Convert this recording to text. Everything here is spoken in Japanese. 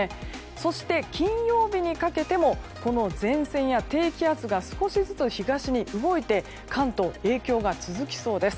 そして、金曜日にかけても前線や低気圧が少しずつ東に動いて関東、影響が続きそうです。